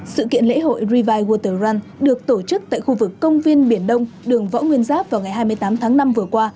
sự kiện lễ hội revie worlder run được tổ chức tại khu vực công viên biển đông đường võ nguyên giáp vào ngày hai mươi tám tháng năm vừa qua